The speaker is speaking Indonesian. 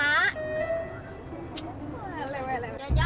jalan jalan makan niat doang nih